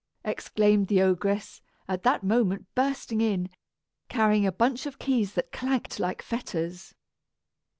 exclaimed the ogress, at that moment bursting in, carrying a bunch of keys that clanked like fetters.